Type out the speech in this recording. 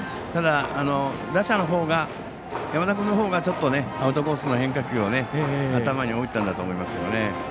ただ、打者の山田君のほうがアウトコースの変化球を頭に置いていたんだと思います。